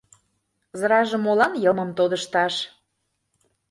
— Зраже молан йылмым тодышташ?